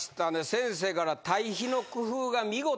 先生から「対比の工夫が見事！」